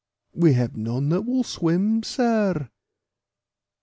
"We have none that will swim, sir."